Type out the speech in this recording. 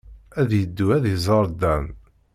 Ad yeddu ad iẓer Dan.